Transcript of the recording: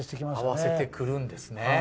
合わせてくるんですね。